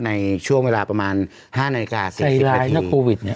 ในช่วงเวลาประมาณ๕นาทีกว่า๖๐นาทีใส่ร้ายนะโควิด